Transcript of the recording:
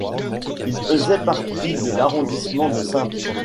Il faisait partie de l'arrondissement de Saintes.